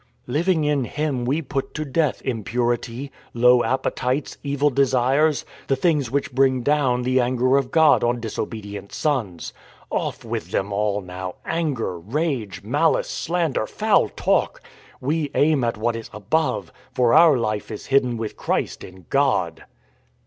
" Living in Him we put to death impurity, low ap petites, evil desires — the things which bring down the anger of God on disobedient sons. Off with them all now — anger, ' rage, malice, slander, foul talk ! We aim at what is above, for our life is hidden with Christ in God."